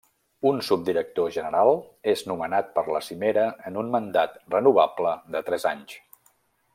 Un subdirector general és nomenat per la cimera en un mandat renovable de tres anys.